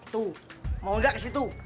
tuh mau nggak ke situ